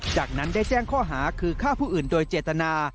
จากนั้นได้แจ้งข้อหาคือฆ่าผู้อื่นโดยเจตนา